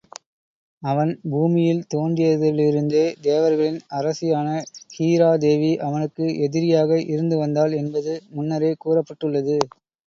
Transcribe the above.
அவன், பூமியில் தோன்றியதிலிருந்தே தேவர்களின் அரசியான ஹீரா தேவி அவனுக்கு எதிரியாக இருந்து வந்தாள் என்பது முன்னரே கூறப்பட்டுள்ளது.